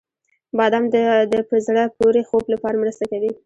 • بادام د په زړه پورې خوب لپاره مرسته کوي.